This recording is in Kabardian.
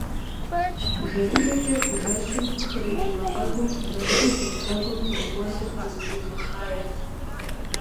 Жэрыжэкӏэ жэщым пхырыкӏ мафӏэгум, мэмыру гъущӏ гъуэгум телъ уэсыр къызэщӏигъэхъаерт.